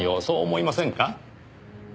そう思いませんか？